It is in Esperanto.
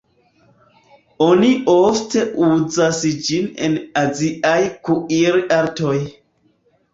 Oni ofte uzas ĝin en aziaj kuir-artoj.